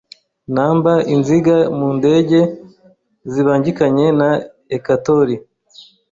numberInziga mu ndege zibangikanye na ecatori